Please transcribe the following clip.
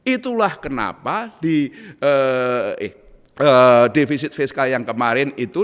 itulah kenapa di defisit fiskal yang kemarin itu